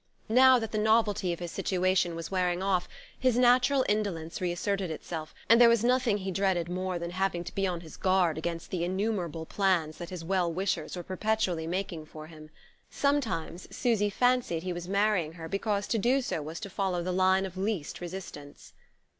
Now that the novelty of his situation was wearing off, his natural indolence reasserted itself, and there was nothing he dreaded more than having to be on his guard against the innumerable plans that his well wishers were perpetually making for him. Sometimes Susy fancied he was marrying her because to do so was to follow the line of least resistance.